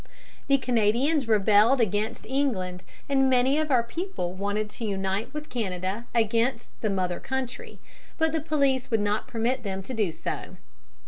The Canadians rebelled against England, and many of our people wanted to unite with Canada against the mother country, but the police would not permit them to do so.